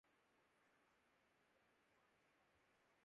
ہوئے مر کے ہم جو رسوا ہوئے کیوں نہ غرق دریا